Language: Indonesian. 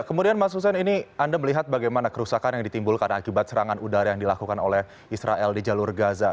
kemudian mas hussein ini anda melihat bagaimana kerusakan yang ditimbulkan akibat serangan udara yang dilakukan oleh israel di jalur gaza